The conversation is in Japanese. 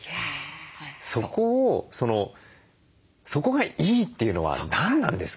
そこを「そこがいい」っていうのは何なんですか？